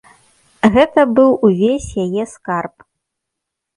Гэта быў увесь яе скарб.